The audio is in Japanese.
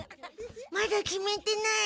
まだ決めてない。